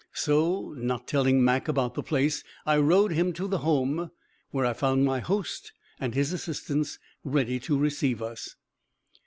So not telling Mac about the place, I rode him to the Home, where I found my host and his assistants ready to receive us.